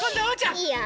いいよ。